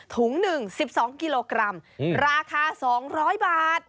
ถุง๑๑๒กิโลกรัมราคา๒๐๐บาท